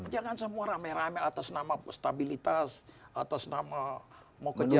jangan semua rame rame atas nama stabilitas atas nama mau kerja